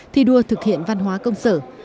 thi đua thực hiện văn hóa công sở